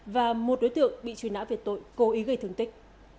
và một đối tượng bị truy nã về tội cố ý gây thương tích